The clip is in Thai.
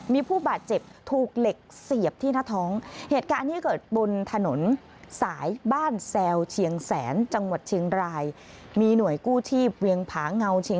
มีผู้บาดเจ็บถูกเหล็กเสียบที่หน้าท้อง